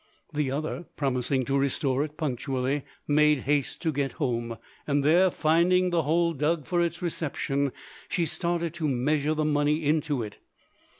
The other, promising to restore it punctually, made haste to get home; and there finding the hole dug for its reception she started to measure the money into it.